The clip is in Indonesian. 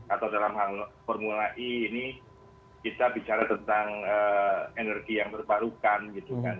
atau dalam hal formula e ini kita bicara tentang energi yang terbarukan gitu kan